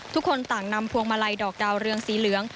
ทุกคนต่างนำพวงมาลัยดอกดาวเรืองสีเหลือง